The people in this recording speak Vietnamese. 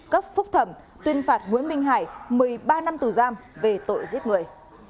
cấp phúc thẩm tuyên phạt nguyễn minh hải một mươi ba năm tù giam về tội giết người